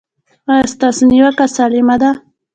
ایا ستاسو نیوکه سالمه ده؟